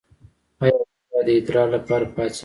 ایا زه باید د ادرار لپاره پاڅیږم؟